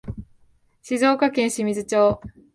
静岡県清水町